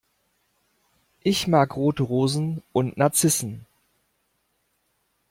Ich mag rote Rosen und Narzissen.